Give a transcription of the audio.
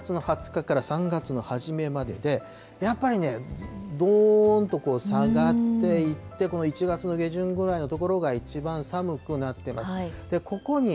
１２月の２０日から３月の初めまでで、やっぱりね、どーんと下がっていって、この１月の下旬ぐらいのところが、一番寒くなってます。